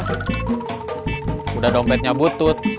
sudah dompetnya butut